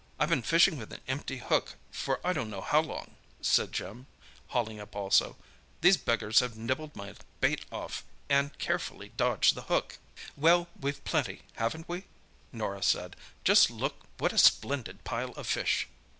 "I've been fishing with an empty hook for I don't know how long," said Jim, hauling up also. "These beggars have nibbled my bait off and carefully dodged the hook." "Well, we've plenty, haven't we?" Norah said. "Just look what a splendid pile of fish!"